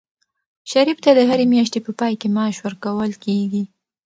شریف ته د هرې میاشتې په پای کې معاش ورکول کېږي.